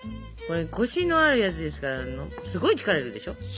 これコシのあるやつですからすごい力いるでしょ。